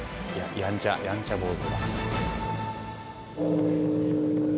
やんちゃやんちゃ坊主だ。